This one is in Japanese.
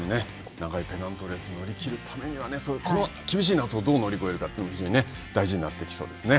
長いペナントレースを乗り切るためには、厳しい夏をどう乗り越えるのかというのは非常に大事になってきそうですね。